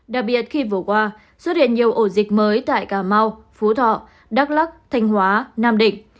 đặc biệt khi vừa qua xuất hiện nhiều ổ dịch mới tại cà mau phú thọ đắk lắc thanh hóa nam định